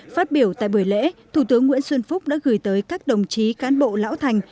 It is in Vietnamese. phát biểu tại buổi lễ thủ tướng nguyễn xuân phúc đã gửi tới các đồng chí cán bộ lão thành